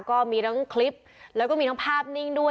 ก็มีทั้งคลิปแล้วก็มีทั้งภาพนิ่งด้วย